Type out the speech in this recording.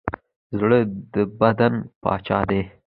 زړه د بدن پاچا دی.